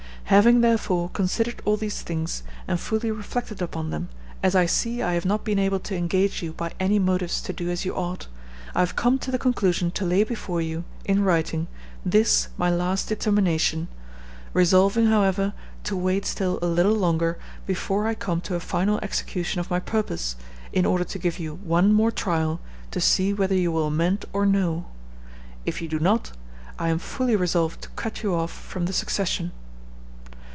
"Having, therefore, considered all these things, and fully reflected upon them, as I see I have not been able to engage you by any motives to do as you ought, I have come to the conclusion to lay before you, in writing, this my last determination, resolving, however, to wait still a little longer before I come to a final execution of my purpose, in order to give you one more trial to see whether you will amend or no. If you do not, I am fully resolved to cut you off from the succession.